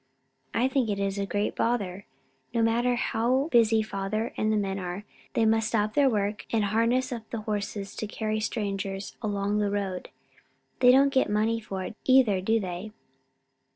"I think it is a great bother. No matter how busy father and the men are, they must stop their work and harness up the horses to carry strangers along the road. They don't get money for it, either, do they?"